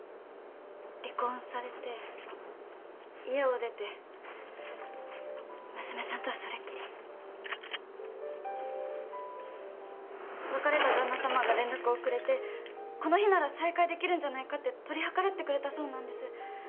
離婚されて家を出て娘さんとはそれっきり別れた旦那様が連絡をくれてこの日なら再会できるんじゃないかって取り計らってくれたそうなんです